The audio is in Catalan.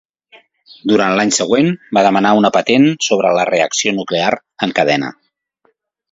Durant l'any següent, va demanar una patent sobre la reacció nuclear en cadena.